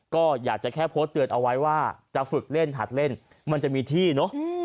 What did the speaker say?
ก็อยากจะแค่โพสต์เตือนเอาไว้ว่าจะฝึกเล่นหัดเล่นมันจะมีที่เนอะ